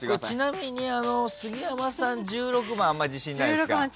ちなみに杉山さん１６番あんまり自信ないですか？